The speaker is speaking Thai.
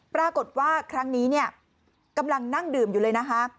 ปรากฏว่าครั้งนี้เนี่ยกำลังนั่งดื่มอยู่เลยนะคะ